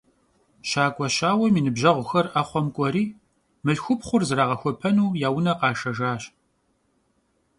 Şak'ue şauem yi nıbjeğuxer 'exhuem k'ueri mılhxupxhur zrağexuepenu ya vune khaşşejjaş.